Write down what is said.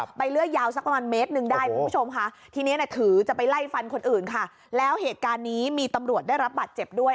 ใบเลื่อยยาวค่ะจะได้สักประมาณ๑เมตรนึงเลย